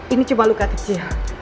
ini cuma luka kecil